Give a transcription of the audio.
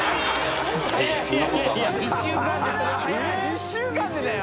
１週間でだよ？